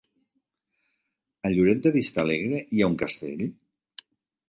A Lloret de Vistalegre hi ha un castell?